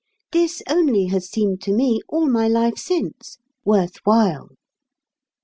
This only has seemed to me, all my life since, worth while."